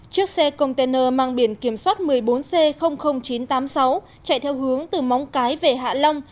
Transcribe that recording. chiếc xe container mang biển kiểm soát một mươi bốn c chín trăm tám mươi sáu chạy theo hướng từ móng cái về hạ long